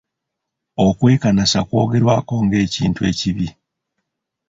Okwekanasa kwogerwako ng'ekintu ekibi.